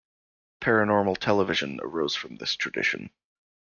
Paranormal television arose from this tradition.